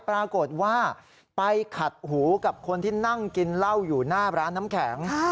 ปรากฏว่าไปขัดหูกับคนที่นั่งกินเหล้าอยู่หน้าร้านน้ำแข็ง